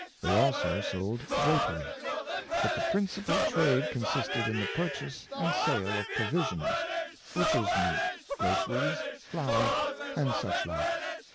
They also sold drapery. But the principal trade consisted in the purchase and sale of provisions — butchers' meat, groceries, flour, and such like.